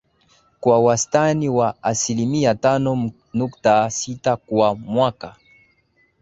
kwa wastani wa asilimia tano nukta sita kwa mwaka